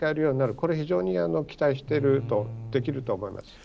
これ、非常に期待していると、できると思います。